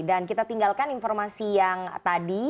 dan kita tinggalkan informasi yang tadi